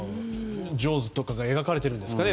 ジョーズとかが描かれているんですかね